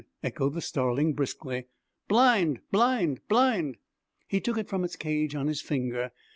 echoed the starling briskly, 'blind blind blind!' He took it from its cage on his finger.